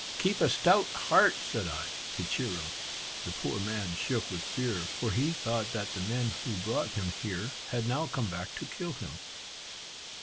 "Keep a stout heart," said I, to cheer him. The poor man shook with fear; for he thought that the men who brought him here, had now come back to kill him.